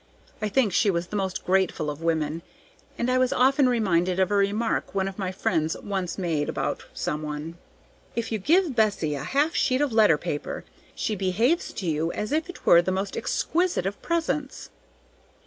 I think she was the most grateful of women, and I was often reminded of a remark one of my friends once made about some one: "If you give Bessie a half sheet of letter paper, she behaves to you as if it were the most exquisite of presents!"